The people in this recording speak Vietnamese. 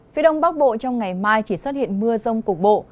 phía đông bắc bộ trong ngày mai chỉ xuất hiện mưa rông cục bộ